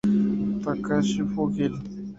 Takashi Fujii